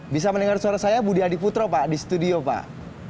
bisa mendengar suara saya budi adiputro pak di studio pak